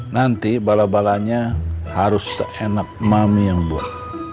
nanti bala balanya harus seenak mami yang buat